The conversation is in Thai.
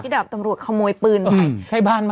พี่ดาบตำรวจขโมยปืน